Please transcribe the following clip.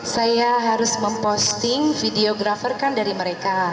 saya harus memposting videographer kan dari mereka